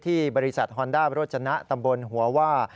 ที่บริษัทฮอนด้าโรจนะตำบลหัวว่า